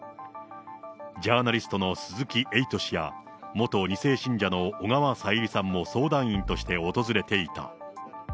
ジャーナリストの鈴木エイト氏や、元２世信者の小川さゆりさんも相談員として訪れていた。